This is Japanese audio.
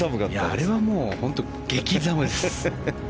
あれはもう、本当激寒です。